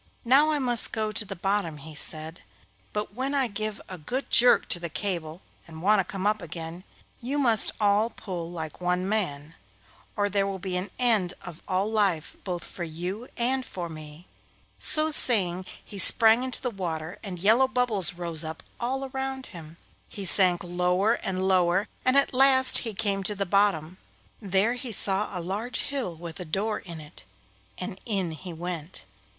'Now I must go to the bottom,' he said, 'but when I give a good jerk to the cable and want to come up again, you must all pull like one man, or there will be an end of all life both for you and for me.' So saying he sprang into the water, and yellow bubbles rose up all around him. He sank lower and lower, and at last he came to the bottom. There he saw a large hill with a door in it, and in he went.